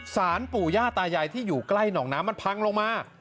สารปู่ย่าตายายที่อยู่ใกล้หนองน้ำมันพังลงมา